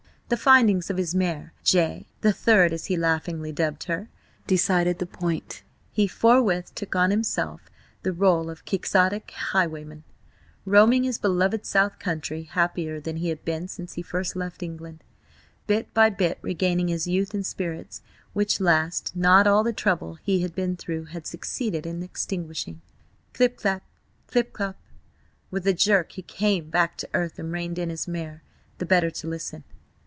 The finding of his mare–J. the Third, as he laughingly dubbed her–decided the point; he forthwith took on himself the role of quixotic highwayman, roaming his beloved South Country, happier than he had been since he first left England; bit by bit regaining his youth and spirits, which last, not all the trouble he had been through had succeeded in extinguishing. ... Clip clap, clip clop. ... With a jerk he came back to earth and reined in his mare, the better to listen.